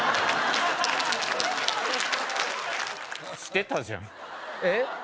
してたじゃんえっ？